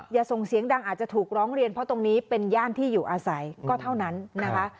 อย่าส่งเสียงดังอาจจะถูกร้องเรียนเพราะตรงนี้เป็นย่านที่อยู่อาศัยก็เท่านั้นนะคะ